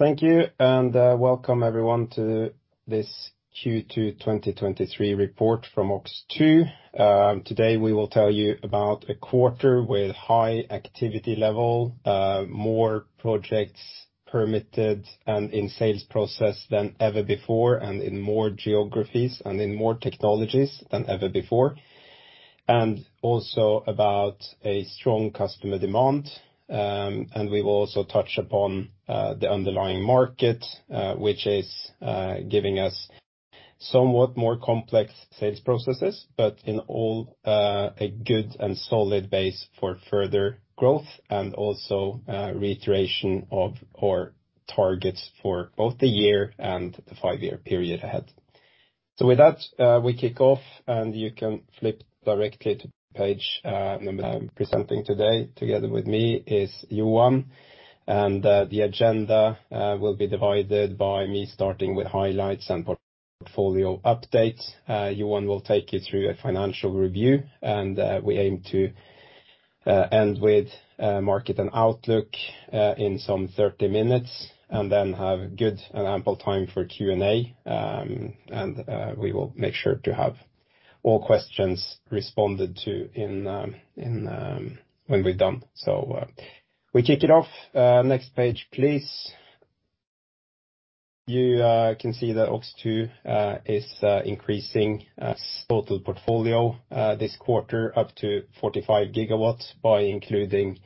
Thank you. Welcome everyone to this Q2 2023 report from OX2. Today, we will tell you about a quarter with high activity level, more projects permitted and in sales process than ever before, and in more geographies and in more technologies than ever before. Also about a strong customer demand. We will also touch upon the underlying market, which is giving us somewhat more complex sales processes, but in all, a good and solid base for further growth, and also, reiteration of our targets for both the year and the five-year period ahead. With that, we kick off, and you can flip directly to page. I'm presenting today. Together with me is Johan. The agenda will be divided by me starting with highlights and portfolio updates. Johan will take you through a financial review, and we aim to end with market and outlook in some 30 minutes, and then have good and ample time for Q&A. We will make sure to have all questions responded to when we're done. We kick it off. Next page, please. You can see that OX2 is increasing total portfolio this quarter up to 45 GW, by including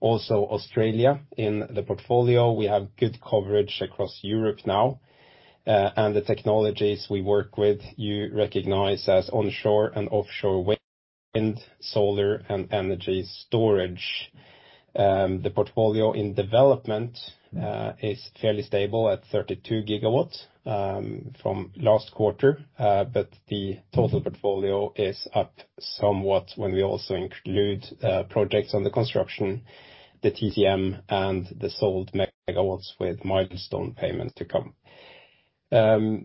also Australia in the portfolio. We have good coverage across Europe now. The technologies we work with, you recognize as onshore and offshore wind, solar, and energy storage. The portfolio in development is fairly stable at 32 GW from last quarter, but the total portfolio is up somewhat when we also include projects under construction, the TTM, and the sold megawatts with milestone payments to come. Sales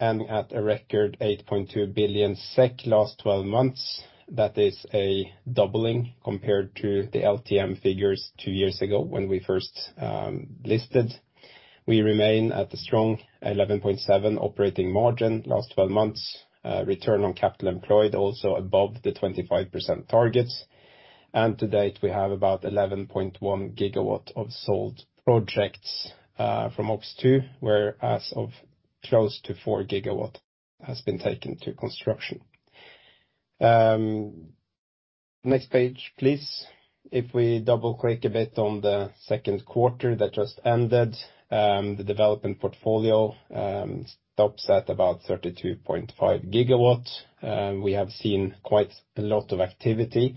ending at a record 8.2 billion SEK last 12 months. That is a doubling compared to the LTM figures 2 years ago when we first listed. We remain at a strong 11.7% operating margin last 12 months. Return on capital employed also above the 25% targets. To date, we have about 11.1 GW of sold projects from OX2, whereas of close to 4 GW has been taken to construction. Next page, please. If we double-click a bit on the second quarter that just ended, the development portfolio stops at about 32.5 GW. We have seen quite a lot of activity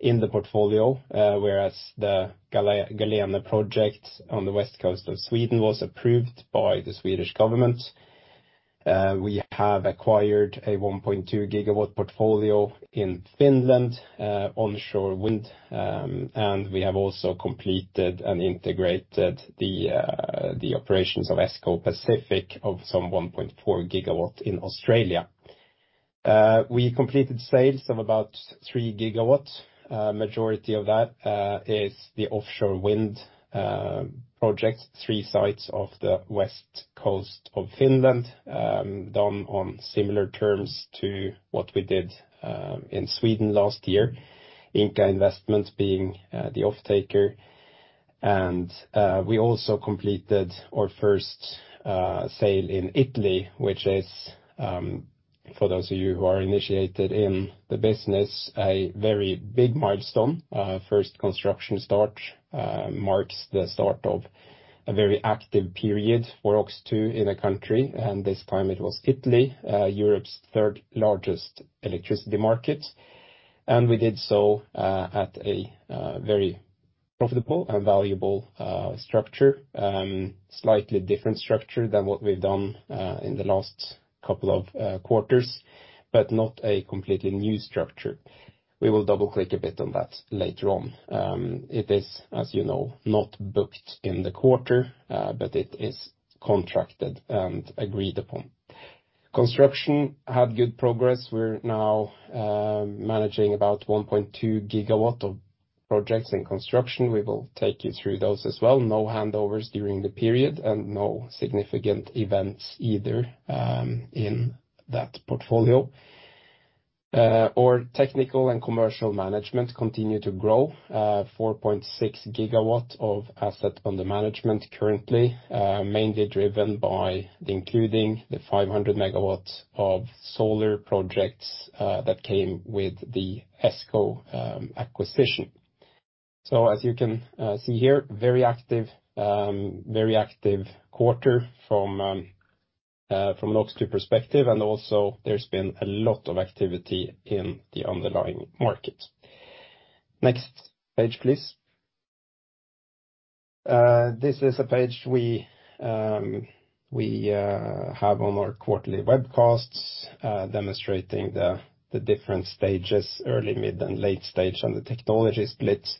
in the portfolio, whereas the Galatea-Galene project on the West Coast of Sweden was approved by the Swedish government. We have acquired a 1.2 GW portfolio in Finland, onshore wind, and we have also completed and integrated the operations of ESCO Pacific of some 1.4 GW in Australia. We completed sales of about 3 GW. Majority of that is the offshore wind project, 3 sites off the west coast of Finland, done on similar terms to what we did in Sweden last year, Ingka Investments being the off-taker. We also completed our first sale in Italy, which is, for those of you who are initiated in the business, a very big milestone. First construction start marks the start of a very active period for OX2 in a country, and this time it was Italy, Europe's third-largest electricity market. We did so at a very profitable and valuable structure. Slightly different structure than what we've done in the last couple of quarters, but not a completely new structure. We will double-click a bit on that later on. It is, as you know, not booked in the quarter, but it is contracted and agreed upon. Construction had good progress. We're now managing about 1.2 GW of projects in construction. We will take you through those as well. No handovers during the period and no significant events either, in that portfolio. Our technical and commercial management continue to grow, 4.6 GW of asset under management currently, mainly driven by including the 500 MW of solar projects that came with the ESCO acquisition. As you can see here, very active, very active quarter from an OX2 perspective, and also there's been a lot of activity in the underlying market. Next page, please. This is a page we have on our quarterly webcasts, demonstrating the different stages, early, mid, and late stage, and the technology splits.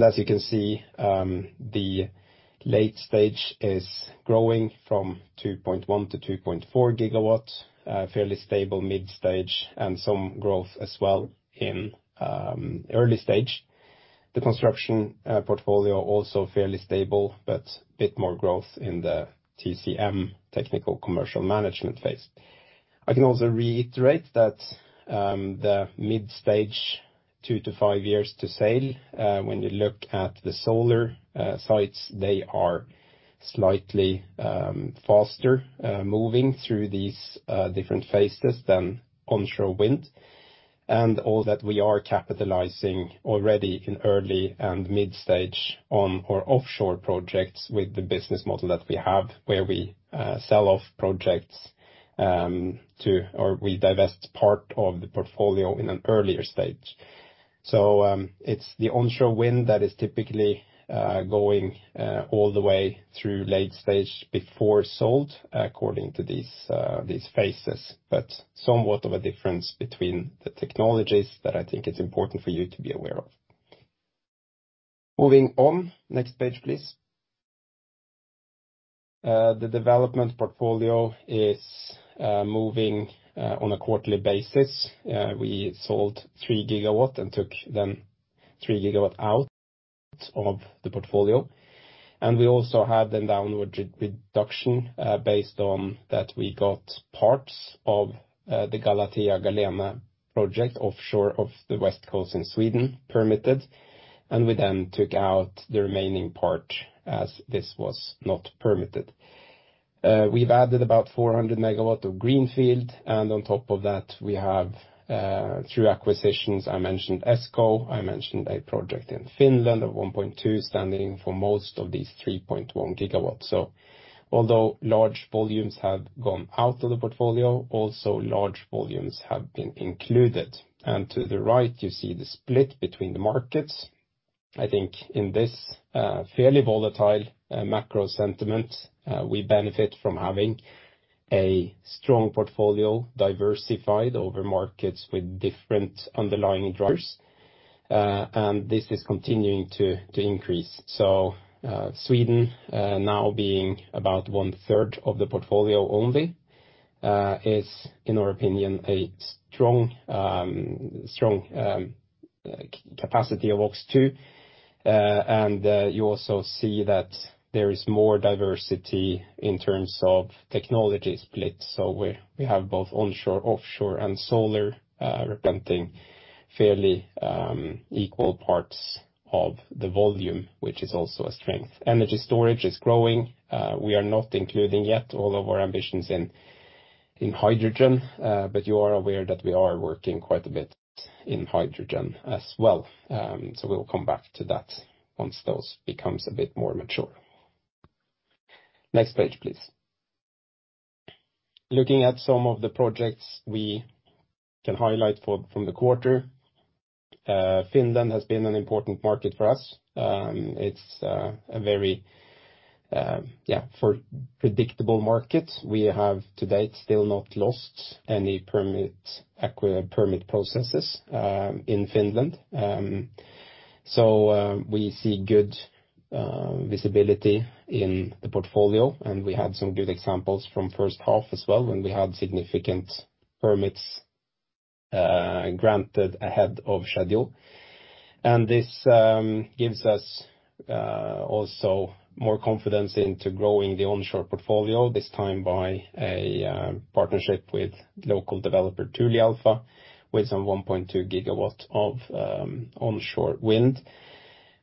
As you can see, the late stage is growing from 2.1 to 2.4 GW, a fairly stable mid stage, and some growth as well in early stage. The construction portfolio also fairly stable, but bit more growth in the TCM, technical commercial management phase. I can also reiterate that the mid stage, 2-5 years to sale, when you look at the solar sites, they are slightly faster moving through these different phases than onshore wind. All that we are capitalizing already in early and mid stage on our offshore projects with the business model that we have, where we sell off projects or we divest part of the portfolio in an earlier stage. It's the onshore wind that is typically going all the way through late stage before sold, according to these phases. Somewhat of a difference between the technologies that I think is important for you to be aware of. Moving on, next page, please. The development portfolio is moving on a quarterly basis. We sold 3 GW and took then 3 GW out of the portfolio. We also had a downward reduction based on that we got parts of the Galatea-Galene project offshore of the West Coast in Sweden permitted, and we then took out the remaining part as this was not permitted. We've added about 400 MW of greenfield, and on top of that, we have, through acquisitions, I mentioned ESCO, I mentioned a project in Finland of 1.2, standing for most of these 3.1 GW. Although large volumes have gone out of the portfolio, large volumes have been included. To the right, you see the split between the markets. I think in this, fairly volatile, macro sentiment, we benefit from having a strong portfolio, diversified over markets with different underlying drivers. This is continuing to increase. Sweden, now being about 1/3 of the portfolio only, is, in our opinion, a strong capacity of OX2. You also see that there is more diversity in terms of technology split. We have both onshore, offshore, and solar, representing fairly equal parts of the volume, which is also a strength. Energy storage is growing. We are not including yet all of our ambitions in hydrogen, but you are aware that we are working quite a bit in hydrogen as well. We will come back to that once those becomes a bit more mature. Next page, please. Looking at some of the projects we can highlight from the quarter, Finland has been an important market for us. It's a very, yeah, for predictable markets. We have, to date, still not lost any permit processes in Finland. We see good visibility in the portfolio, and we had some good examples from first half as well, when we had significant permits granted ahead of schedule. This gives us also more confidence into growing the onshore portfolio, this time by a partnership with local developer, Tuulialfa, with some 1.2 GW of onshore wind.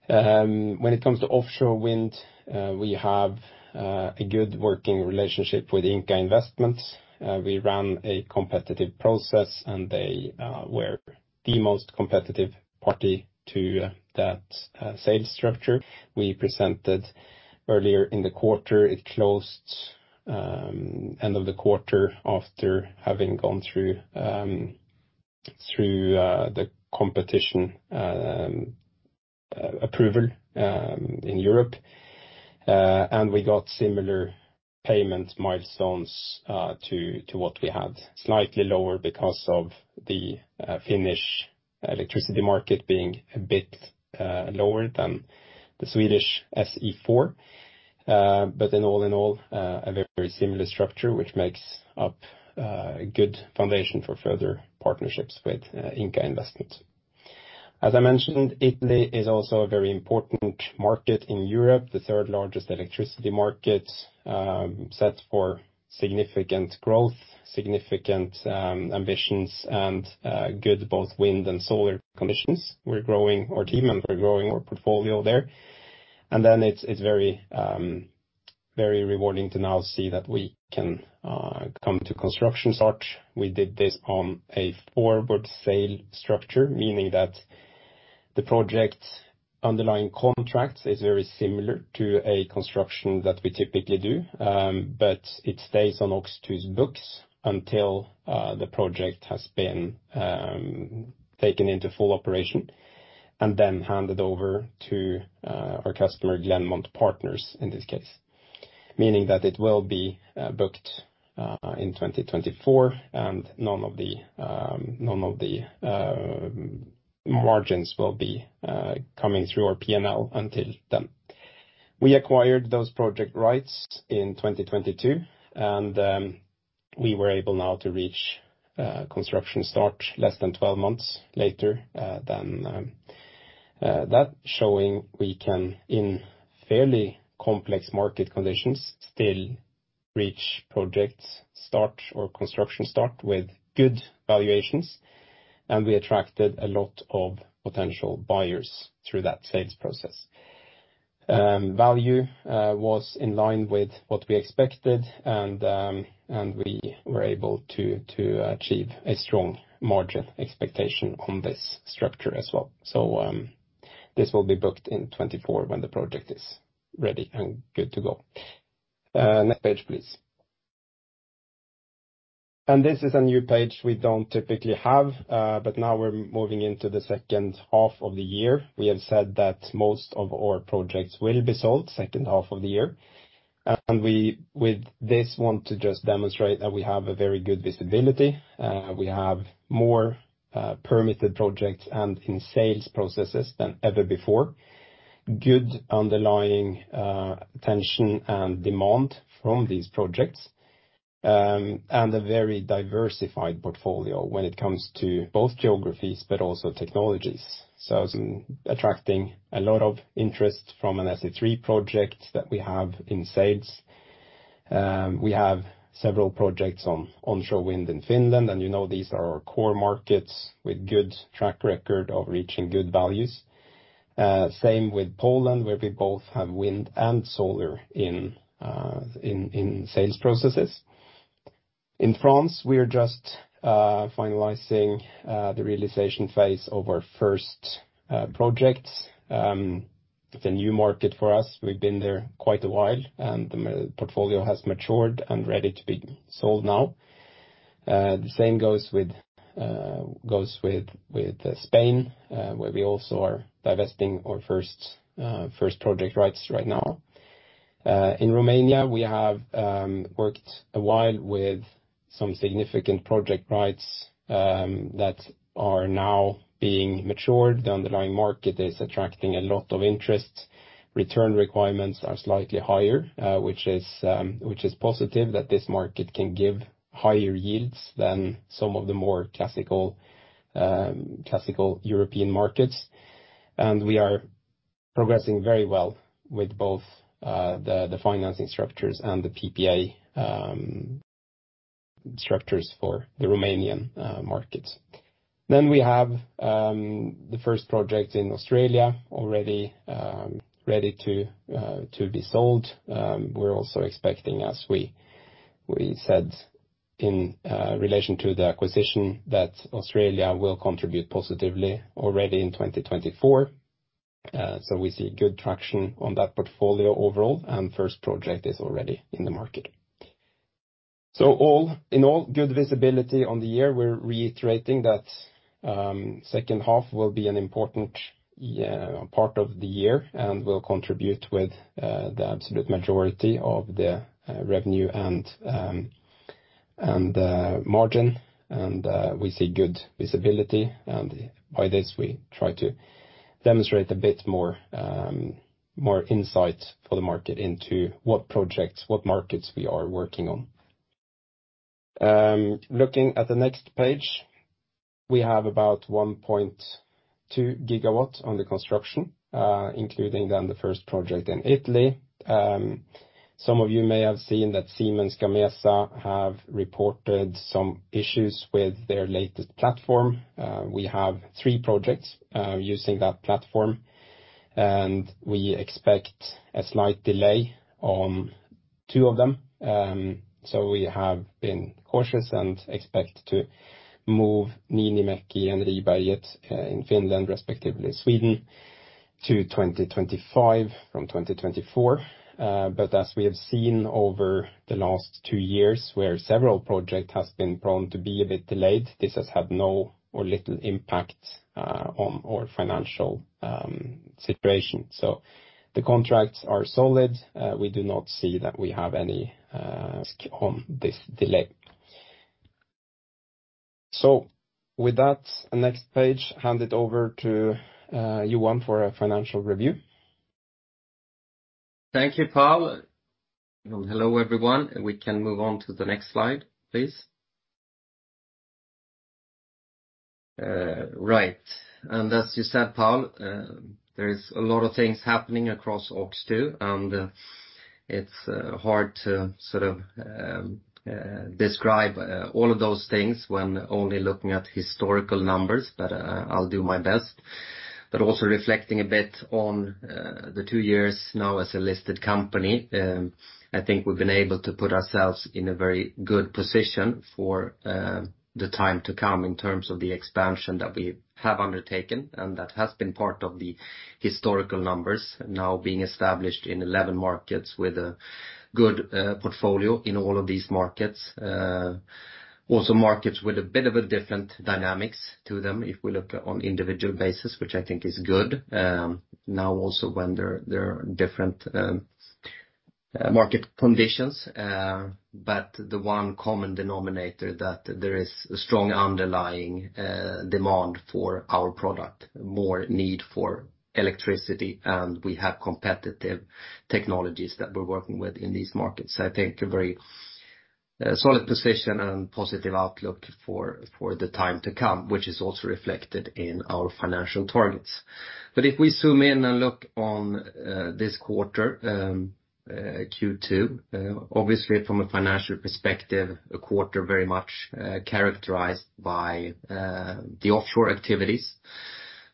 When it comes to offshore wind, we have a good working relationship with Ingka Investments. We ran a competitive process, and they were the most competitive party to that sales structure. We presented earlier in the quarter. It closed end of the quarter, after having gone through the competition approval in Europe. We got similar payment milestones to what we had. Slightly lower because of the Finnish electricity market being a bit lower than the Swedish SE 4. All in all, a very similar structure, which makes up good foundation for further partnerships with Ingka Investments. As I mentioned, Italy is also a very important market in Europe, the third largest electricity market, set for significant growth, significant ambitions, and good both wind and solar conditions. We're growing our team, and we're growing our portfolio there. It's very rewarding to now see that we can come to construction start. We did this on a forward sale structure, meaning that the project's underlying contract is very similar to a construction that we typically do. It stays on OX2's books until the project has been taken into full operation, and then handed over to our customer, Glennmont Partners, in this case. Meaning that it will be booked in 2024, and none of the margins will be coming through our PNL until then. We acquired those project rights in 2022, we were able now to reach construction start less than 12 months later, showing we can, in fairly complex market conditions, still reach projects start or construction start with good valuations, and we attracted a lot of potential buyers through that sales process. Value was in line with what we expected, and we were able to achieve a strong margin expectation on this structure as well. This will be booked in 2024 when the project is ready and good to go. Next page, please. This is a new page we don't typically have, but now we're moving into the second half of the year. We have said that most of our projects will be sold second half of the year, and we with this want to just demonstrate that we have a very good visibility. We have more permitted projects and in sales processes than ever before. Good underlying attention and demand from these projects, and a very diversified portfolio when it comes to both geographies, but also technologies. Attracting a lot of interest from an SE 3 project that we have in sales. We have several projects on onshore wind in Finland, and you know, these are our core markets with good track record of reaching good values. Same with Poland, where we both have wind and solar in sales processes. In France, we are just finalizing the realization phase of our first projects. It's a new market for us. We've been there quite a while, and the portfolio has matured and ready to be sold now. The same goes with Spain, where we also are divesting our first project rights right now. In Romania, we have worked a while with some significant project rights that are now being matured. The underlying market is attracting a lot of interest. Return requirements are slightly higher, which is, which is positive, that this market can give higher yields than some of the more classical European markets. We are progressing very well with both the financing structures and the PPA structures for the Romanian markets. We have the first project in Australia, already ready to be sold. We're also expecting, as we said in relation to the acquisition, that Australia will contribute positively already in 2024. We see good traction on that portfolio overall, and first project is already in the market. All in all, good visibility on the year. We're reiterating that, second half will be an important, yeah, part of the year and will contribute with the absolute majority of the revenue and margin. We see good visibility, and by this, we try to demonstrate a bit more insight for the market into what projects, what markets we are working on. Looking at the next page, we have about 1.2 GW on the construction, including then the first project in Italy. Some of you may have seen that Siemens Gamesa have reported some issues with their latest platform. We have three projects using that platform, and we expect a slight delay on two of them. We have been cautious and expect to move Niinimäki and Riberget in Finland, respectively Sweden, to 2025 from 2024. As we have seen over the last 2 years, where several project has been prone to be a bit delayed, this has had no or little impact on our financial situation. The contracts are solid. We do not see that we have any on this delay. With that, the next page, hand it over to Johan for a financial review. Thank you, Paul. Hello, everyone. We can move on to the next slide, please. Right. As you said, Paul, there is a lot of things happening across OX2, and it's hard to sort of describe all of those things when only looking at historical numbers, but I'll do my best. Also reflecting a bit on the 2 years now as a listed company, I think we've been able to put ourselves in a very good position for the time to come in terms of the expansion that we have undertaken, and that has been part of the historical numbers now being established in 11 markets with a good portfolio in all of these markets. Also markets with a bit of a different dynamics to them, if we look on individual basis, which I think is good. Now, also, when there are different market conditions, but the one common denominator that there is a strong underlying demand for our product, more need for electricity, and we have competitive technologies that we're working with in these markets. I think a very solid position and positive outlook for the time to come, which is also reflected in our financial targets. If we zoom in and look on this quarter, Q2, obviously from a financial perspective, the quarter very much characterized by the offshore activities.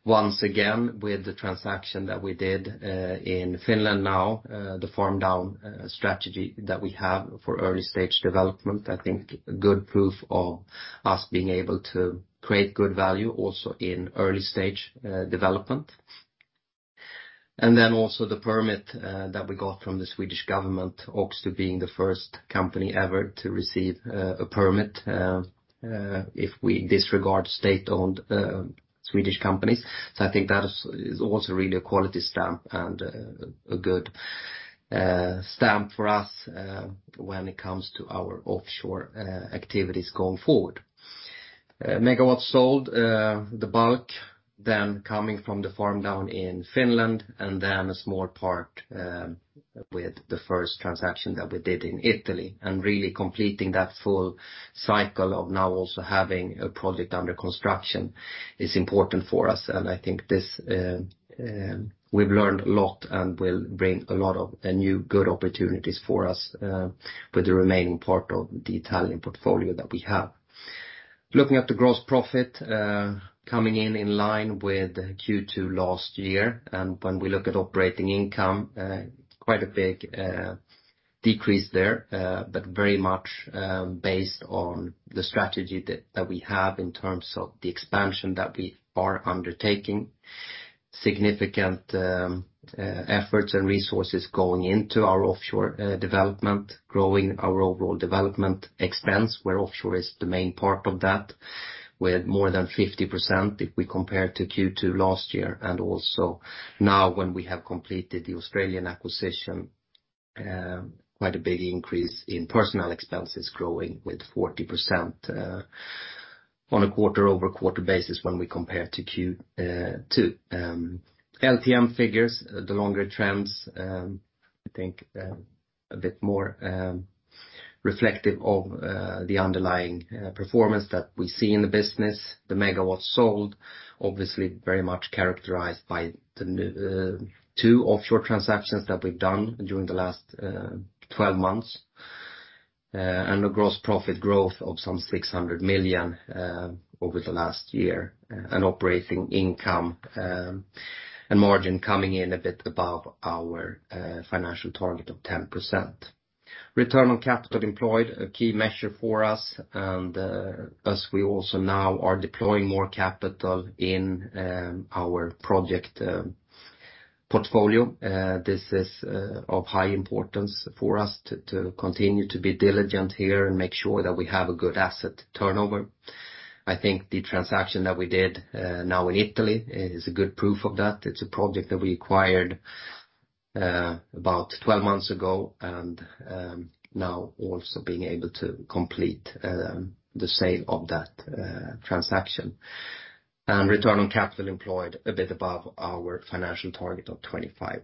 Once again, with the transaction that we did, in Finland now, the farm-down strategy that we have for early-stage development, I think good proof of us being able to create good value also in early-stage development. Also the permit that we got from the Swedish Government, also being the first company ever to receive a permit, if we disregard state-owned Swedish companies. I think that is also really a quality stamp and a good stamp for us when it comes to our offshore activities going forward. Megawatts sold, the bulk then coming from the farm-down in Finland, and then a small part with the first transaction that we did in Italy, and really completing that full cycle of now also having a project under construction is important for us. I think this, we've learned a lot and will bring a lot of new good opportunities for us with the remaining part of the Italian portfolio that we have. Looking at the gross profit coming in in line with Q2 last year, and when we look at operating income, quite a big decrease there, but very much based on the strategy that we have in terms of the expansion that we are undertaking. Significant efforts and resources going into our offshore development, growing our overall development expense, where offshore is the main part of that, with more than 50% if we compare to Q2 last year. Now when we have completed the Australian acquisition, quite a big increase in personnel expenses, growing with 40% on a quarter-over-quarter basis when we compare to Q2. LTM figures, the longer trends, I think a bit more reflective of the underlying performance that we see in the business. The megawatts sold, obviously very much characterized by the new, 2 offshore transactions that we've done during the last, 12 months, and a gross profit growth of some 600 million, over the last year, and operating income, and margin coming in a bit above our financial target of 10%. Return on capital employed, a key measure for us, and, as we also now are deploying more capital in, our project, portfolio, this is, of high importance for us to continue to be diligent here and make sure that we have a good asset turnover. I think the transaction that we did, now in Italy is a good proof of that. It's a project that we acquired, about 12 months ago, now also being able to complete the sale of that transaction. Return on capital employed a bit above our financial target of 25%.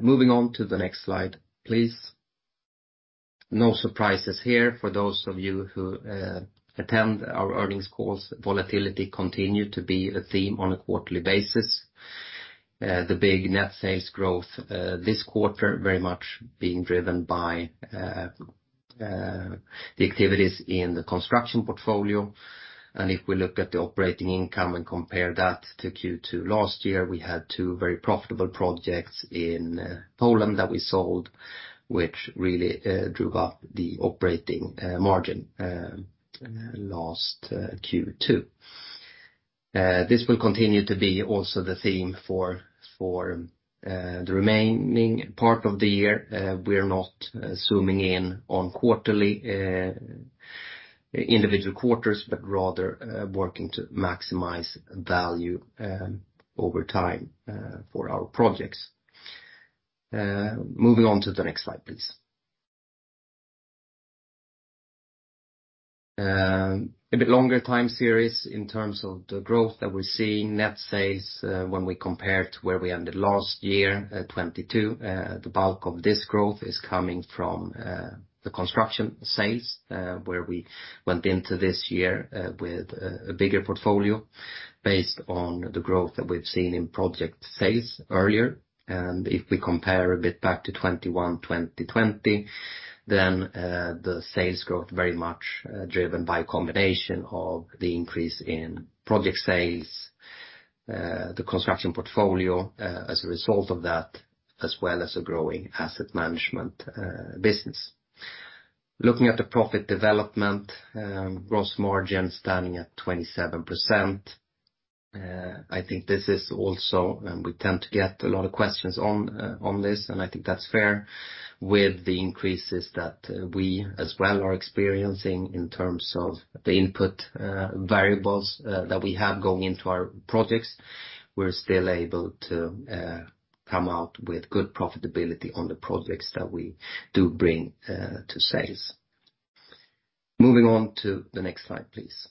Moving on to the next slide, please. No surprises here. For those of you who attend our earnings calls, volatility continued to be the theme on a quarterly basis. The big net sales growth, this quarter very much being driven by the activities in the construction portfolio. If we look at the operating income and compare that to Q2 last year, we had two very profitable projects in Poland that we sold, which really drove up the operating margin, last Q2. This will continue to be also the theme for the remaining part of the year. We are not zooming in on quarterly, individual quarters, but rather, working to maximize value over time, for our projects. Moving on to the next slide, please. A bit longer time series in terms of the growth that we're seeing. Net sales, when we compare to where we ended last year, 2022, the bulk of this growth is coming from the construction sales, where we went into this year, with a bigger portfolio based on the growth that we've seen in project sales earlier. If we compare a bit back to 2021, 2020, then, the sales growth very much, driven by a combination of the increase in project sales, the construction portfolio, as a result of that, as well as a growing asset management business. Looking at the profit development, gross margin standing at 27%. I think this is also. We tend to get a lot of questions on this, and I think that's fair. With the increases that we as well are experiencing in terms of the input variables, that we have going into our projects, we're still able to come out with good profitability on the projects that we do bring to sales. Moving on to the next slide, please.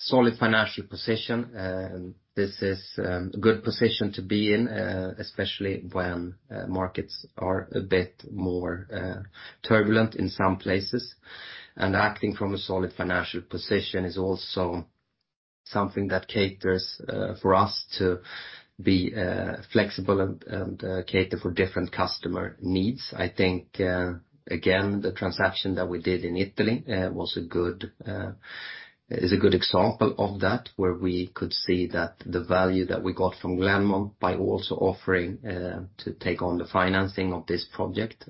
Solid financial position, this is a good position to be in, especially when markets are a bit more turbulent in some places. Acting from a solid financial position is also something that caters for us to be flexible and cater for different customer needs. I think, again, the transaction that we did in Italy was a good, is a good example of that, where we could see that the value that we got from Glennmont, by also offering to take on the financing of this project,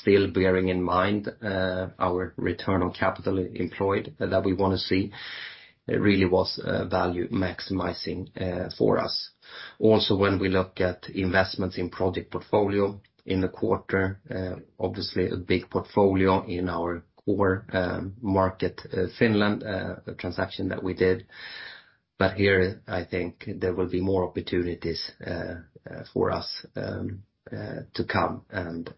still bearing in mind our return on capital employed that we wanna see, it really was value maximizing for us. When we look at investments in project portfolio in the quarter, obviously a big portfolio in our core market, Finland, a transaction that we did, but here, I think there will be more opportunities for us to come and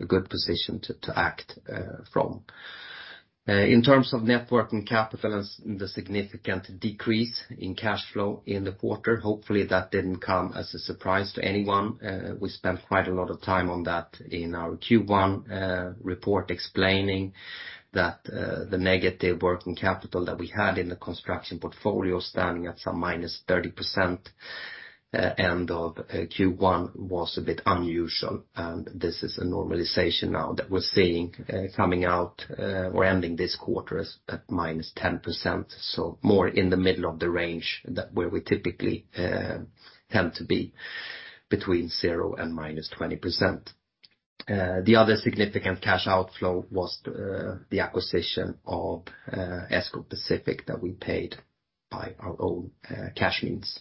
a good position to act from. In terms of net working capital and the significant decrease in cash flow in the quarter, hopefully, that didn't come as a surprise to anyone. We spent quite a lot of time on that in our Q1 report, explaining that the negative working capital that we had in the construction portfolio, standing at some -30%, end of Q1, was a bit unusual, and this is a normalization now that we're seeing coming out or ending this quarter at -10%. More in the middle of the range, that where we typically tend to be, between 0% and -20%. The other significant cash outflow was the acquisition of ESCO Pacific, that we paid by our own cash means.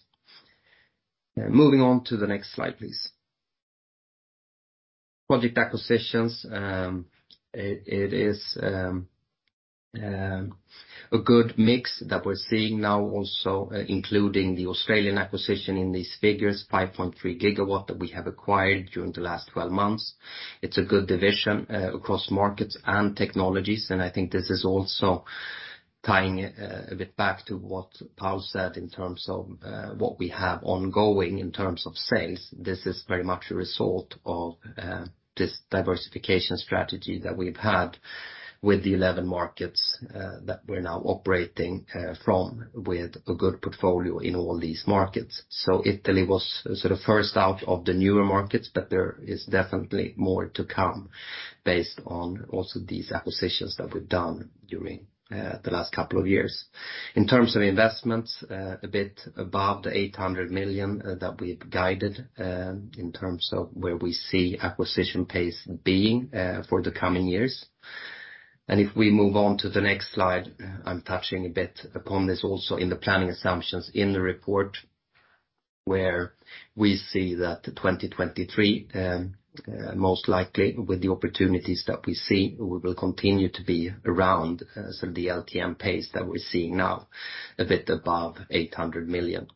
Moving on to the next slide, please. Project acquisitions. It is a good mix that we're seeing now, also, including the Australian acquisition in these figures, 5.3 GW, that we have acquired during the last 12 months. It's a good division across markets and technologies, and I think this is also tying a bit back to what Paul said in terms of what we have ongoing in terms of sales. This is very much a result of this diversification strategy that we've had with the 11 markets that we're now operating from, with a good portfolio in all these markets. Italy was sort of first out of the newer markets, but there is definitely more to come based on also these acquisitions that we've done during the last couple of years. In terms of investments, a bit above the 800 million that we've guided in terms of where we see acquisition pace being for the coming years. If we move on to the next slide, I'm touching a bit upon this also in the planning assumptions in the report, where we see that the 2023, most likely, with the opportunities that we see, we will continue to be around some of the LTM pace that we're seeing now, a bit above 800 million.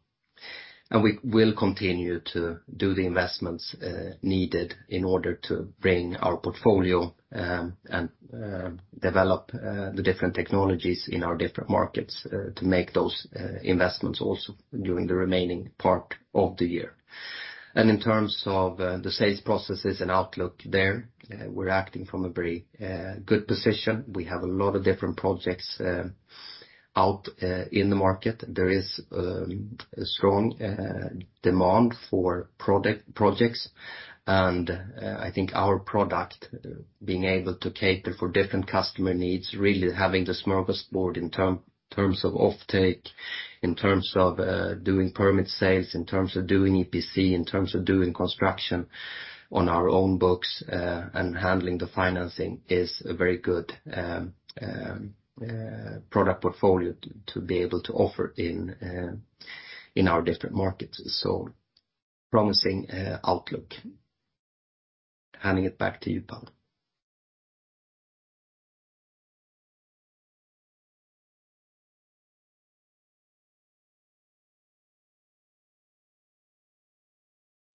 We will continue to do the investments needed in order to bring our portfolio, and develop the different technologies in our different markets, to make those investments also during the remaining part of the year. In terms of the sales processes and outlook there, we're acting from a very good position. We have a lot of different projects out in the market. There is a strong demand for projects, I think our product, being able to cater for different customer needs, really having the smorgasbord in terms of offtake, in terms of doing permit sales, in terms of doing EPC, in terms of doing construction on our own books, and handling the financing, is a very good product portfolio to be able to offer in our different markets. Promising outlook. Handing it back to you, Paul.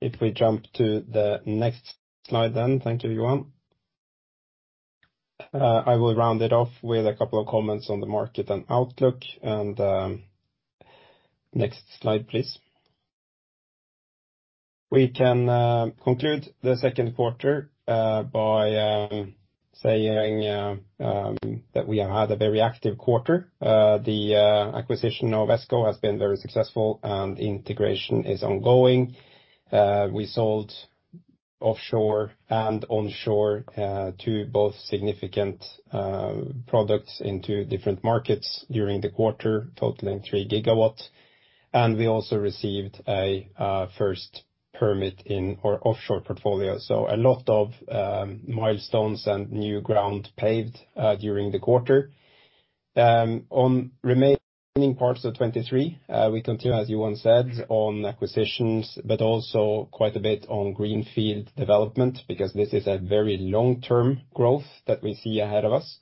If we jump to the next slide. Thank you, Johan. I will round it off with a couple of comments on the market and outlook. Next slide, please. We can conclude the second quarter by saying that we had a very active quarter. The acquisition of ESCO has been very successful, and integration is ongoing. We sold offshore and onshore to both significant products into different markets during the quarter, totaling 3 GW. We also received a first permit in our offshore portfolio. A lot of milestones and new ground paved during the quarter. On remaining parts of 2023, we continue, as Johan said, on acquisitions, but also quite a bit on greenfield development, because this is a very long-term growth that we see ahead of us.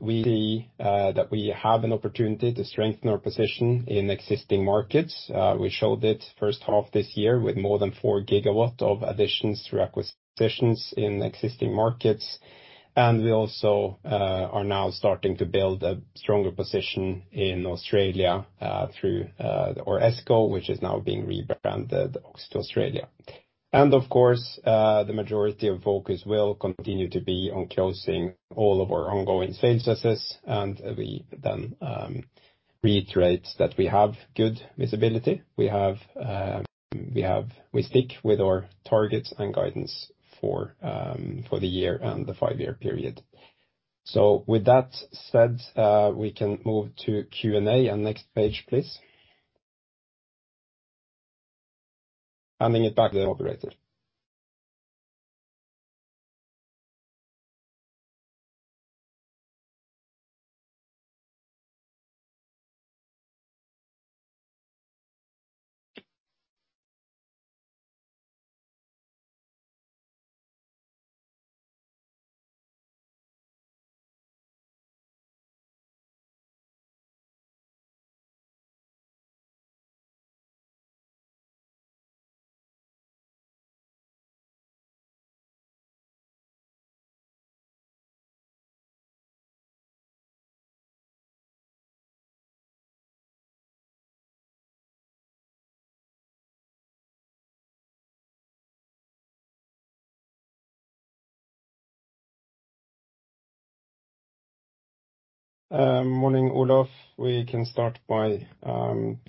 We see that we have an opportunity to strengthen our position in existing markets. We showed it first half this year with more than 4 GW of additions through acquisitions in existing markets. We also are now starting to build a stronger position in Australia through our ESCO, which is now being rebranded OX2 Australia. Of course, the majority of focus will continue to be on closing all of our ongoing sales assets. We then reiterate that we have good visibility. We stick with our targets and guidance for the year and the 5-year period. With that said, we can move to Q&A. Next page, please. Handing it back to the operator. Morning, Olof. We can start by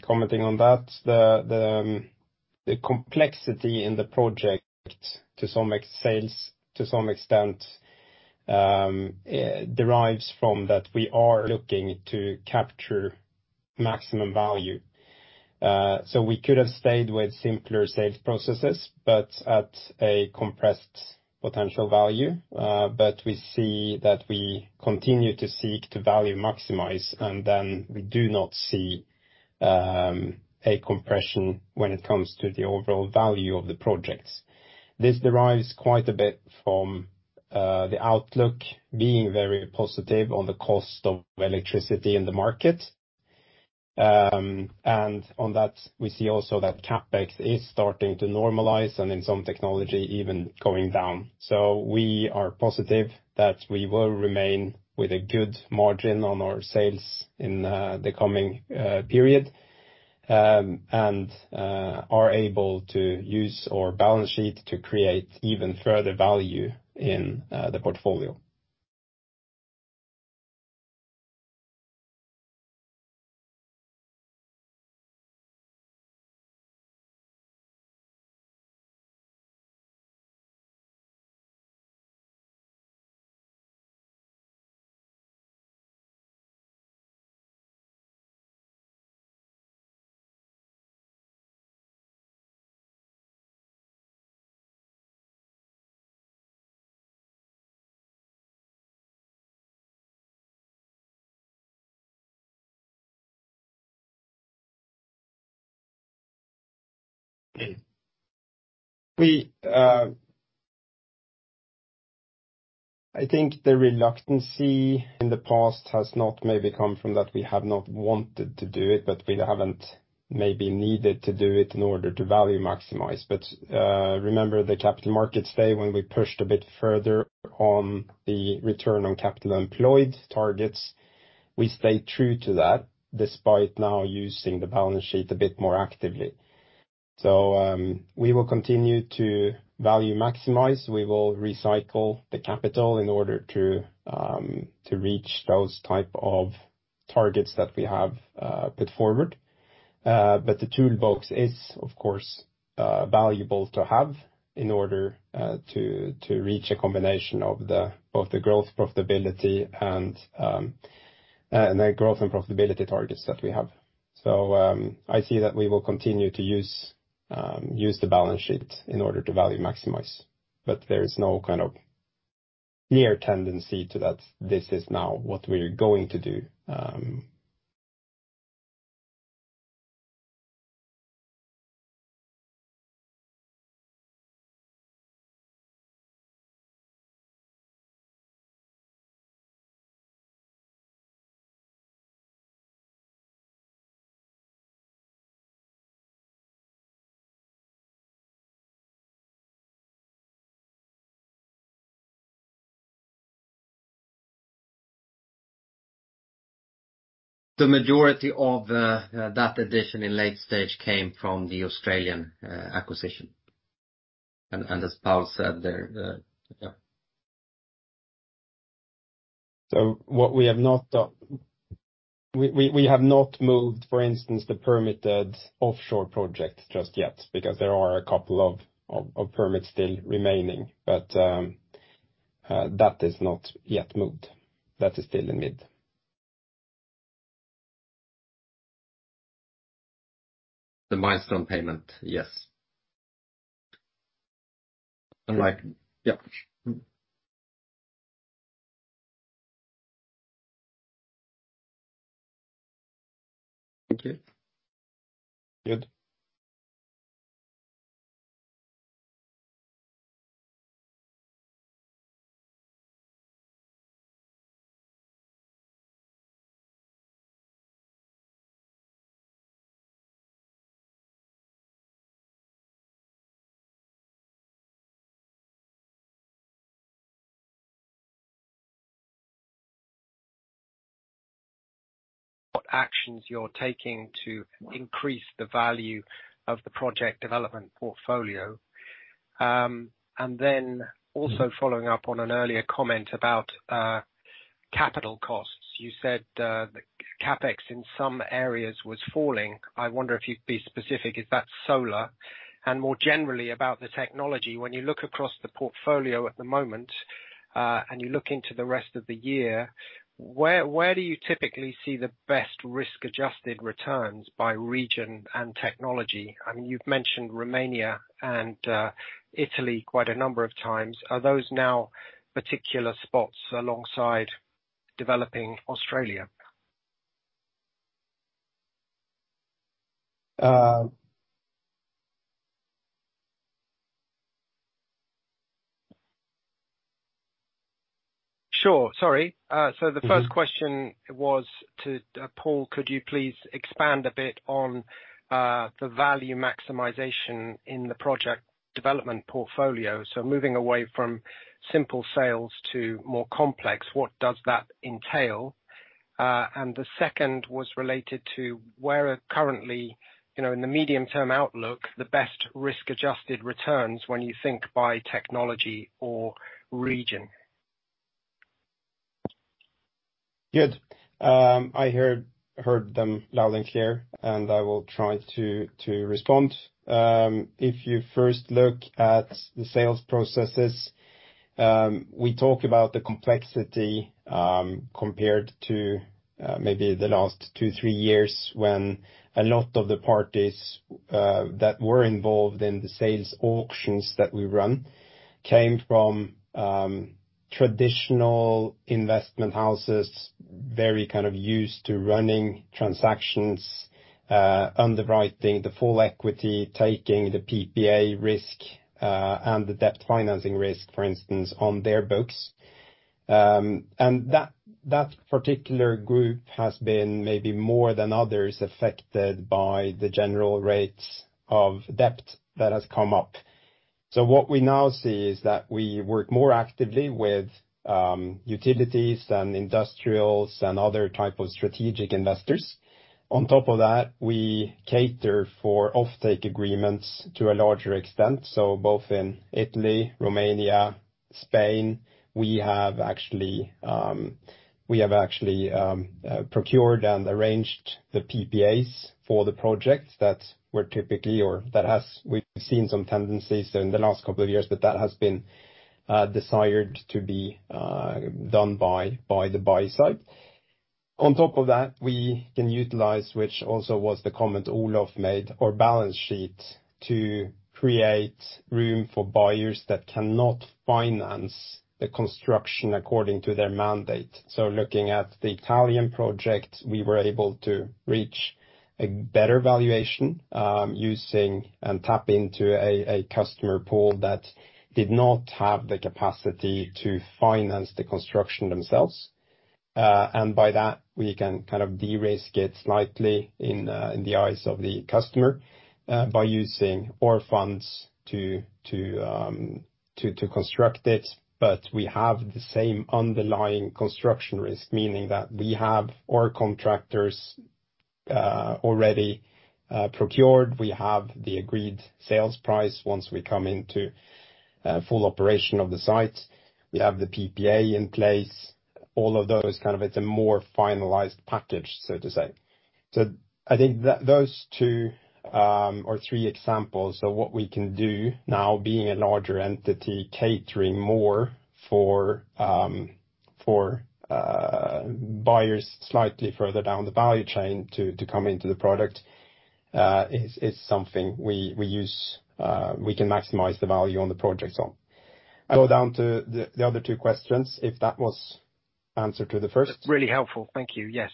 commenting on that. The complexity in the project to some sales, to some extent, derives from that we are looking to capture maximum value. We could have stayed with simpler sales processes, but at a compressed potential value. We see that we continue to seek to value maximize, and then we do not see a compression when it comes to the overall value of the projects. This derives quite a bit from the outlook being very positive on the cost of electricity in the market. On that, we see also that CapEx is starting to normalize and in some technology even going down. We are positive that we will remain with a good margin on our sales in the coming period, and are able to use our balance sheet to create even further value in the portfolio. I think the reluctance in the past has not maybe come from that we have not wanted to do it, but we haven't maybe needed to do it in order to value maximize. Remember, the capital markets day when we pushed a bit further on the return on capital employed targets, we stayed true to that, despite now using the balance sheet a bit more actively. We will continue to value maximize. We will recycle the capital in order to reach those type of targets that we have put forward. But the toolbox is, of course, valuable to have in order to reach a combination of both the growth, profitability and the growth and profitability targets that we have. I see that we will continue to use the balance sheet in order to value maximize, but there is no kind of clear tendency to that this is now what we're going to do. The majority of that addition in late stage came from the Australian acquisition. As Paul said there. We have not moved, for instance, the permitted offshore project just yet, because there are a couple of permits still remaining, but that is not yet moved. That is still in mid. The milestone payment, yes. All right. Yep. Thank you. Good. What actions you're taking to increase the value of the project development portfolio. And then also following up on an earlier comment about capital costs. You said that CapEx in some areas was falling. I wonder if you'd be specific, is that solar? And more generally, about the technology, when you look across the portfolio at the moment, and you look into the rest of the year, where do you typically see the best risk-adjusted returns by region and technology? I mean, you've mentioned Romania and Italy quite a number of times. Are those now particular spots alongside developing Australia? Um. Sure. Sorry. The first question was to Paul: could you please expand a bit on the value maximization in the project development portfolio? Moving away from simple sales to more complex, what does that entail? The second was related to, where are currently, you know, in the medium-term outlook, the best risk-adjusted returns when you think by technology or region? Good. I heard them loud and clear, and I will try to respond. If you first look at the sales processes, we talk about the complexity compared to maybe the last 2, 3 years, when a lot of the parties that were involved in the sales auctions that we run came from traditional investment houses, very kind of used to running transactions, underwriting the full equity, taking the PPA risk, and the debt financing risk, for instance, on their books. That particular group has been maybe more than others, affected by the general rates of debt that has come up. What we now see is that we work more actively with utilities and industrials and other type of strategic investors. On top of that, we cater for offtake agreements to a larger extent. Both in Italy, Romania, Spain, we have actually procured and arranged the PPAs for the projects that were typically, or that we've seen some tendencies in the last couple of years, but that has been desired to be done by the buy side. On top of that, we can utilize, which also was the comment Olof made, our balance sheet to create room for buyers that cannot finance the construction according to their mandate. Looking at the Italian project, we were able to reach a better valuation using and tap into a customer pool that did not have the capacity to finance the construction themselves. By that, we can kind of de-risk it slightly in the eyes of the customer by using our funds to construct it. We have the same underlying construction risk, meaning that we have our contractors, already, procured. We have the agreed sales price once we come into full operation of the site. We have the PPA in place. All of those, kind of it's a more finalized package, so to say. I think that those two, or three examples of what we can do now, being a larger entity, catering more for buyers slightly further down the value chain to come into the product, is something we use. We can maximize the value on the project. I go down to the other two questions, if that was answered to the first. Really helpful. Thank you. Yes.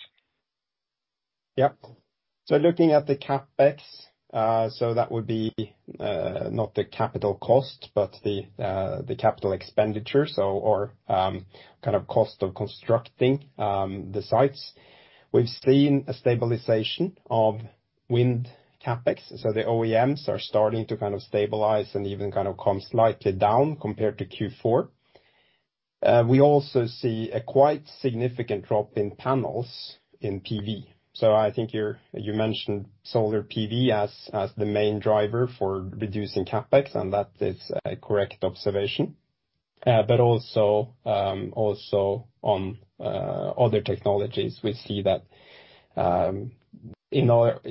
Yep. Looking at the CapEx, so that would be, not the capital cost, but the capital expenditure, so or, kind of cost of constructing the sites. We've seen a stabilization of wind CapEx, so the OEMs are starting to kind of stabilize and even kind of come slightly down compared to Q4. We also see a quite significant drop in panels in PV. I think you mentioned solar PV as the main driver for reducing CapEx, and that is a correct observation. Also, also on other technologies, we see that in our,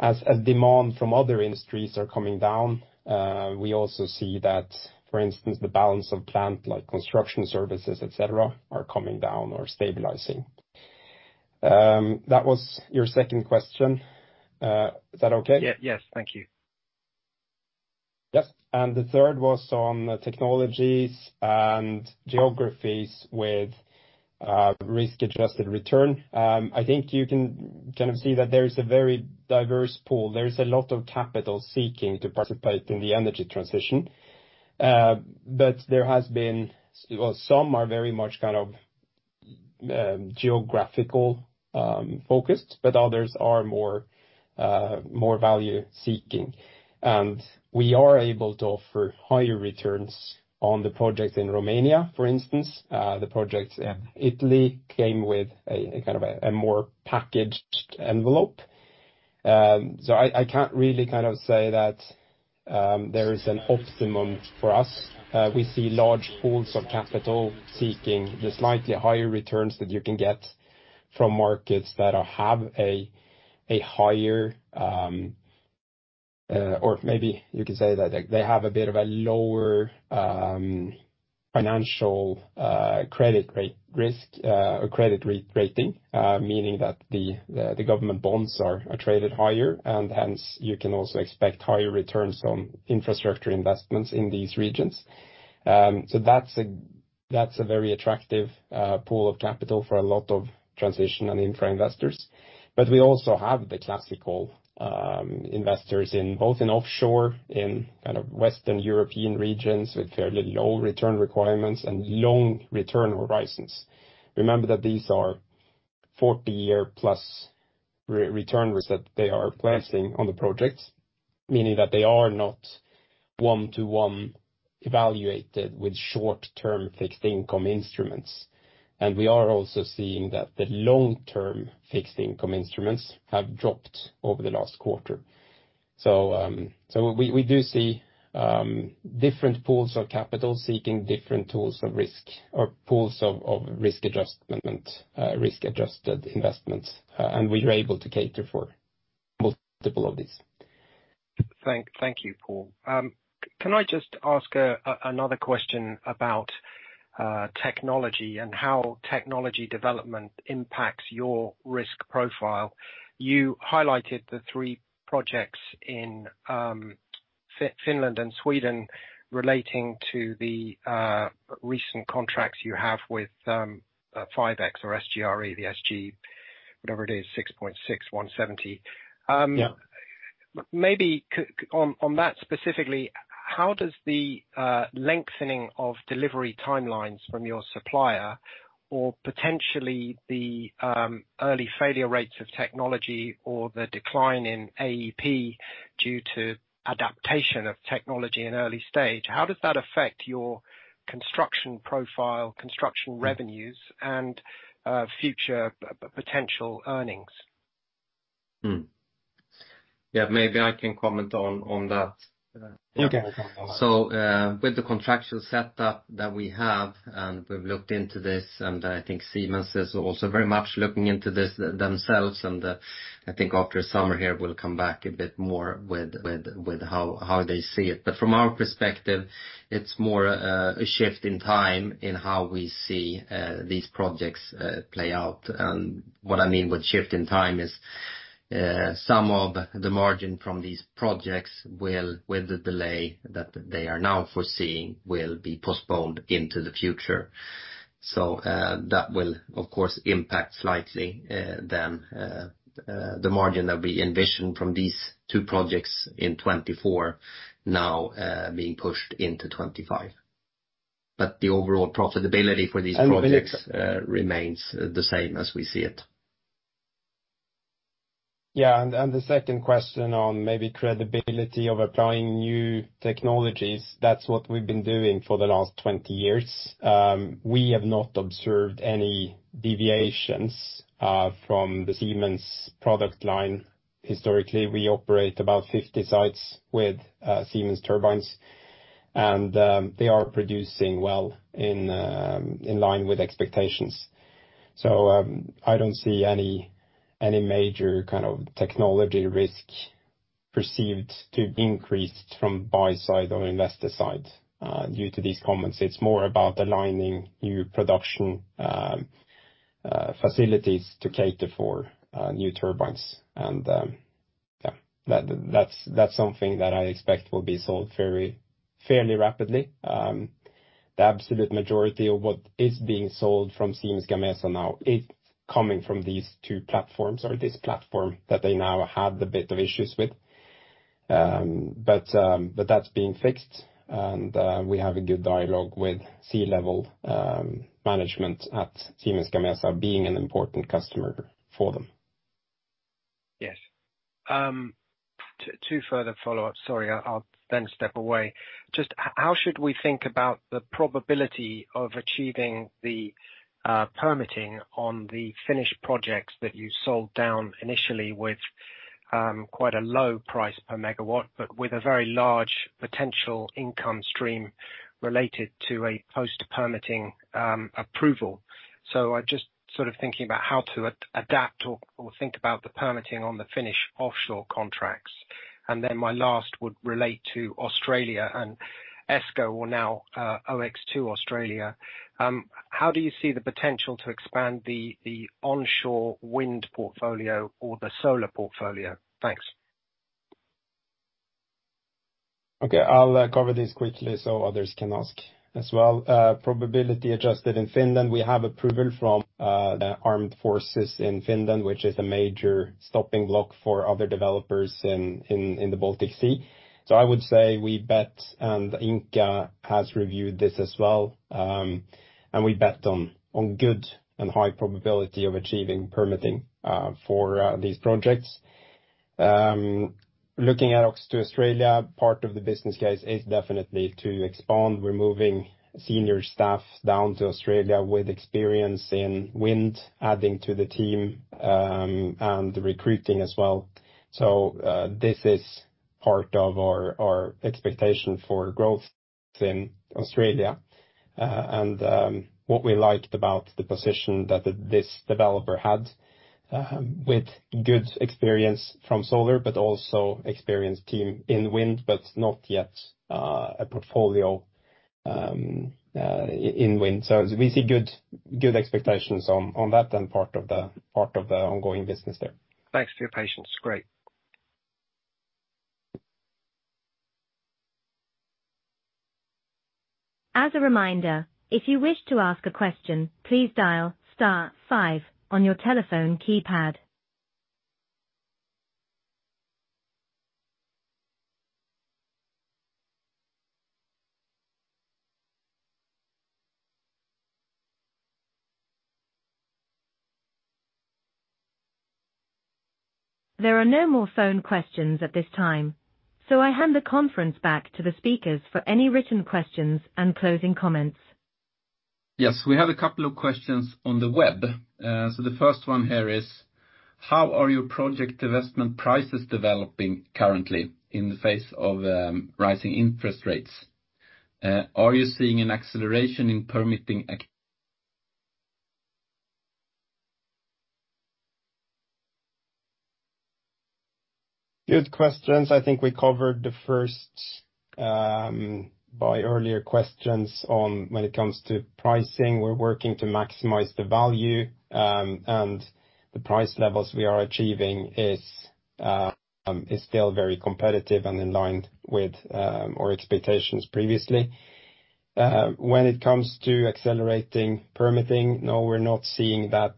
as demand from other industries are coming down, we also see that, for instance, the balance of plant, like construction services, et cetera, are coming down or stabilizing. That was your second question. Is that okay? Yeah. Yes, thank you. Yes, the third was on technologies and geographies with risk-adjusted return. I think you can kind of see that there is a very diverse pool. There is a lot of capital seeking to participate in the energy transition. Well, some are very much, kind of, geographical focused, but others are more value seeking. We are able to offer higher returns on the project in Romania, for instance. The project in Italy came with a kind of a more packaged envelope. So I can't really kind of say that there is an optimum for us. We see large pools of capital seeking the slightly higher returns that you can get from markets that are, have a higher... Or maybe you can say that they have a bit of a lower financial credit rate risk or credit rating, meaning that the government bonds are traded higher, and hence, you can also expect higher returns on infrastructure investments in these regions. That's a very attractive pool of capital for a lot of transition and infra investors. We also have the classical investors in, both in offshore, in kind of Western European regions, with fairly low return requirements and long return horizons. Remember that these are 40-year plus return risks that they are placing on the project, meaning that they are not 1-to-1 evaluated with short-term fixed income instruments. We are also seeing that the long-term fixed income instruments have dropped over the last quarter. We do see different pools of capital seeking different tools of risk or pools of risk adjustment, risk-adjusted investments, and we are able to cater for multiple of these. Thank you, Paul. can I just ask another question about technology and how technology development impacts your risk profile? You highlighted the three projects in Finland and Sweden relating to the recent contracts you have with 5X or SGRE, the SG, whatever it is, 6.6-170. Yeah. Maybe on that specifically, how does the lengthening of delivery timelines from your supplier, or potentially the early failure rates of technology or the decline in AEP due to adaptation of technology in early stage, how does that affect your construction profile, construction revenues, and future potential earnings? Maybe I can comment on that. Okay. With the contractual setup that we have, and we've looked into this, I think Siemens is also very much looking into this themselves. I think after summer here, we'll come back a bit more with how they see it. From our perspective, it's more a shift in time in how we see these projects play out. What I mean with shift in time is some of the margin from these projects will, with the delay that they are now foreseeing, will be postponed into the future. That will, of course, impact slightly than the margin that we envisioned from these two projects in 2024 now being pushed into 2025. The overall profitability for these projects remains the same as we see it. Yeah, the second question on maybe credibility of applying new technologies, that's what we've been doing for the last 20 years. We have not observed any deviations from the Siemens product line. Historically, we operate about 50 sites with Siemens turbines, and they are producing well in line with expectations. I don't see any major kind of technology risk perceived to increase from buy side or investor side due to these comments. It's more about aligning new production facilities to cater for new turbines. Yeah, that's something that I expect will be solved very fairly rapidly. The absolute majority of what is being sold from Siemens Gamesa now, it's coming from these 2 platforms or this platform that they now have a bit of issues with. That's being fixed, and we have a good dialogue with C-level management at Siemens Gamesa, being an important customer for them. Yes. two further follow-ups. Sorry, I'll then step away. Just how should we think about the probability of achieving the permitting on the Finnish projects that you sold down initially with quite a low price per megawatt, but with a very large potential income stream related to a post-permitting approval? I'm just sort of thinking about how to adapt or think about the permitting on the Finnish offshore contracts. My last would relate to Australia and ESCO, or now OX2 Australia. How do you see the potential to expand the onshore wind portfolio or the solar portfolio? Thanks. Okay, I'll cover this quickly so others can ask as well. Probability adjusted in Finland, we have approval from the armed forces in Finland, which is a major stopping block for other developers in the Baltic Sea. I would say we bet, and Ingka has reviewed this as well, and we bet on good and high probability of achieving permitting for these projects. Looking at OX2 Australia, part of the business case is definitely to expand. We're moving senior staff down to Australia with experience in wind, adding to the team, and recruiting as well. This is part of our expectation for growth in Australia. What we liked about the position that this developer had, with good experience from solar, but also experienced team in wind, but not yet a portfolio in wind. We see good expectations on that and part of the ongoing business there. Thanks for your patience. Great. As a reminder, if you wish to ask a question, please dial star five on your telephone keypad. There are no more phone questions at this time. I hand the conference back to the speakers for any written questions and closing comments. Yes, we have a couple of questions on the web. The first one here is: how are your project investment prices developing currently in the face of rising interest rates? Are you seeing an acceleration in permitting? Good questions. I think we covered the first by earlier questions on when it comes to pricing. We're working to maximize the value, and the price levels we are achieving is still very competitive and in line with our expectations previously. When it comes to accelerating permitting, no, we're not seeing that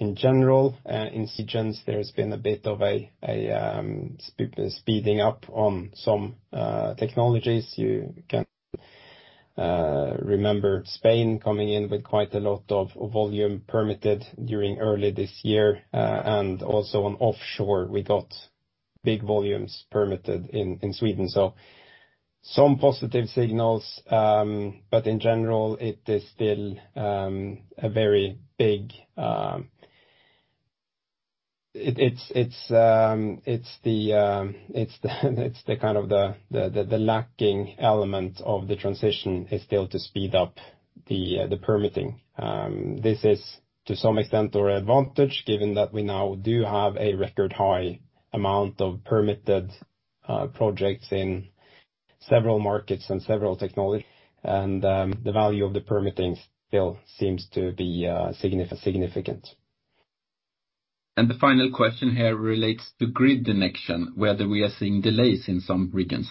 in general. In Sitges, there's been a bit of a speeding up on some technologies. You can remember Spain coming in with quite a lot of volume permitted during early this year, and also on offshore, we got big volumes permitted in Sweden. Some positive signals, but in general, it is still a very big... It's the kind of the lacking element of the transition is still to speed up the permitting. This is to some extent our advantage, given that we now do have a record high amount of permitted projects in several markets and several technologies. The value of the permitting still seems to be significant. The final question here relates to grid connection, whether we are seeing delays in some regions.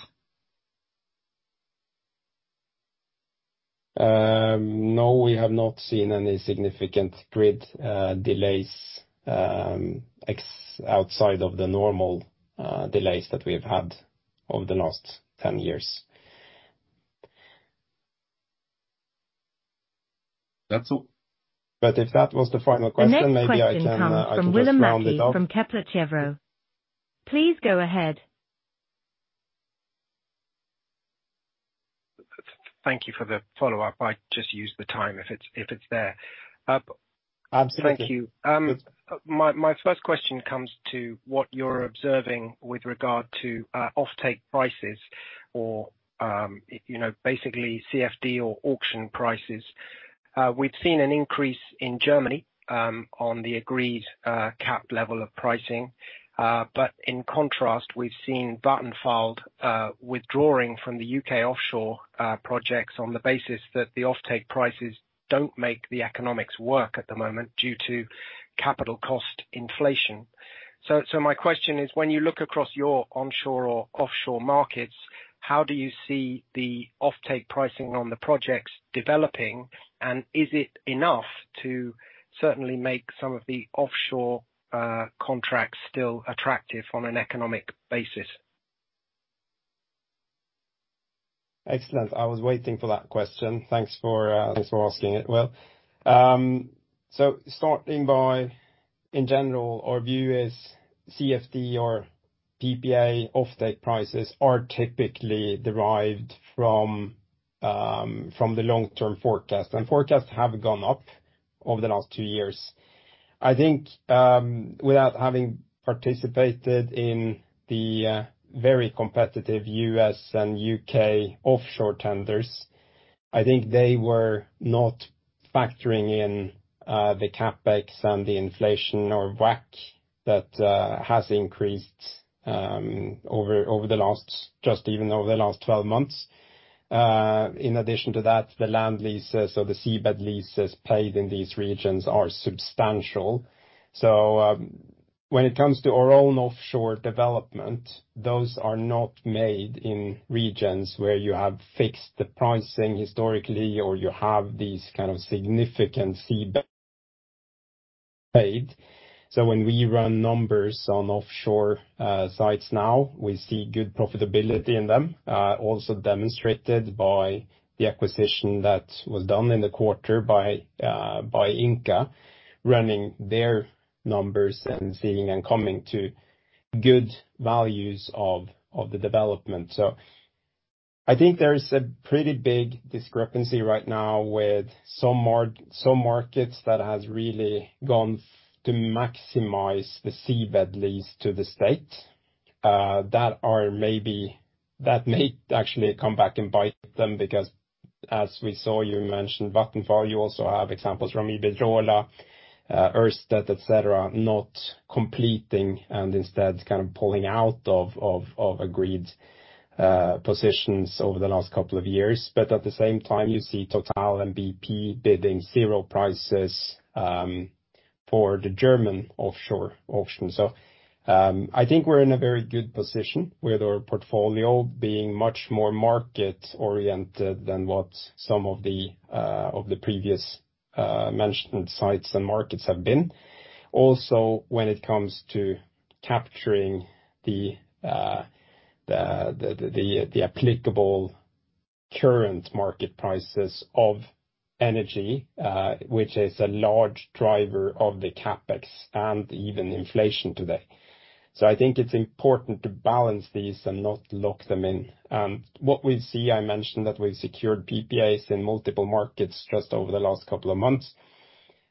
No, we have not seen any significant grid delays, outside of the normal delays that we've had over the last 10 years. That's all. If that was the final question, maybe I can just round it off. The next question comes from William Mackie from Kepler Cheuvreux. Please go ahead. Thank you for the follow-up. I just use the time if it's, if it's there. Absolutely. Thank you. My, my first question comes to what you're observing with regard to offtake prices or, you know, basically CFD or auction prices. We've seen an increase in Germany on the agreed cap level of pricing. In contrast, we've seen Vattenfall withdrawing from the UK offshore projects on the basis that the offtake prices don't make the economics work at the moment due to capital cost inflation. My question is, when you look across your onshore or offshore markets, how do you see the offtake pricing on the projects developing? Is it enough to certainly make some of the offshore contracts still attractive on an economic basis? Excellent. I was waiting for that question. Thanks for, thanks for asking it. Well, starting by, in general, our view is CFD or PPA offtake prices are typically derived from the long-term forecast, and forecasts have gone up over the last 2 years. I think, without having participated in the very competitive U.S. and U.K. offshore tenders, I think they were not factoring in, the CapEx and the inflation or WACC that has increased over the last just even over the last 12 months. In addition to that, the land leases or the seabed leases paid in these regions are substantial. When it comes to our own offshore development, those are not made in regions where you have fixed the pricing historically, or you have these kind of significant seabed paid. When we run numbers on offshore sites now, we see good profitability in them, also demonstrated by the acquisition that was done in the quarter by Ingka, running their numbers and seeing and coming to good values of the development. I think there's a pretty big discrepancy right now with some markets that has really gone to maximize the seabed lease to the state, that may actually come back and bite them. As we saw, you mentioned Vattenfall, you also have examples from Iberdrola, Ørsted, etcetera, not completing and instead kind of pulling out of agreed positions over the last couple of years. At the same time, you see TotalEnergies and BP bidding zero prices for the German offshore auction. I think we're in a very good position with our portfolio being much more market-oriented than what some of the of the previous mentioned sites and markets have been. Also, when it comes to capturing the the the applicable current market prices of energy, which is a large driver of the CapEx and even inflation today. I think it's important to balance these and not lock them in. What we see, I mentioned that we've secured PPAs in multiple markets just over the last couple of months,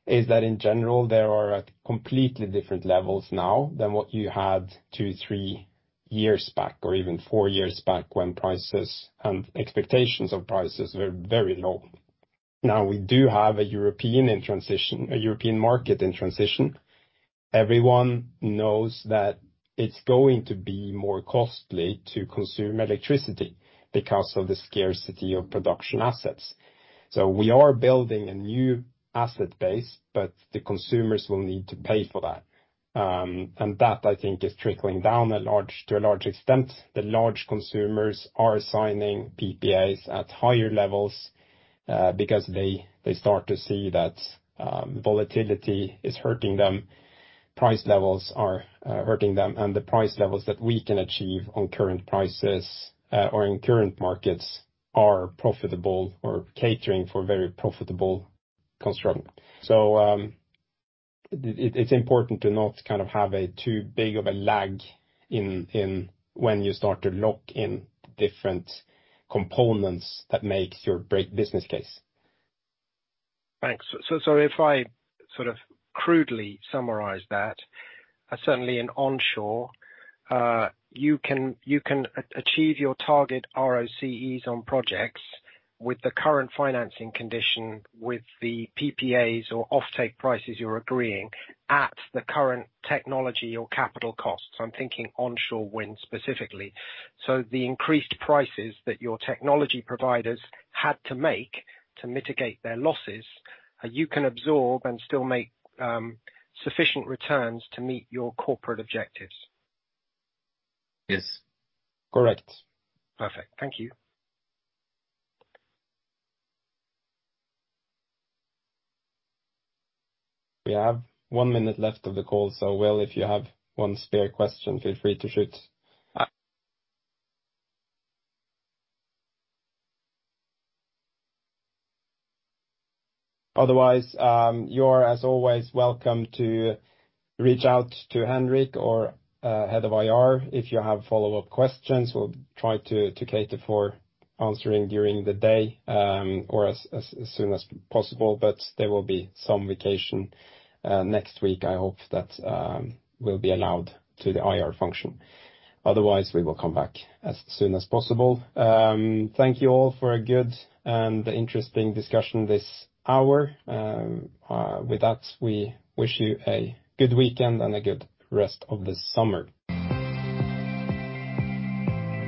is that in general, they are at completely different levels now than what you had 2, 3 years back, or even 4 years back, when prices and expectations of prices were very low. We do have a European in transition, a European market in transition. Everyone knows that it's going to be more costly to consume electricity because of the scarcity of production assets. We are building a new asset base, but the consumers will need to pay for that. That, I think, is trickling down to a large extent. The large consumers are signing PPAs at higher levels because they start to see that volatility is hurting them, price levels are hurting them, and the price levels that we can achieve on current prices or in current markets are profitable or catering for very profitable construction. It's important to not kind of have a too big of a lag when you start to lock in different components that makes your break business case. Thanks. If I sort of crudely summarize that, certainly in onshore, you can achieve your target ROCEs on projects with the current financing condition, with the PPAs or offtake prices you're agreeing at the current technology or capital costs. I'm thinking onshore wind, specifically. The increased prices that your technology providers had to make to mitigate their losses, you can absorb and still make sufficient returns to meet your corporate objectives? Yes, correct. Perfect. Thank you. We have one minute left of the call. Will, if you have one spare question, feel free to shoot. Otherwise, you're, as always, welcome to reach out to Henrik or head of IR if you have follow-up questions. We'll try to cater for answering during the day, or as soon as possible, but there will be some vacation next week, I hope, that will be allowed to the IR function. Otherwise, we will come back as soon as possible. Thank you all for a good and interesting discussion this hour. With that, we wish you a good weekend and a good rest of the summer.